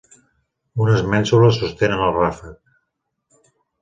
Unes mènsules sostenen el ràfec.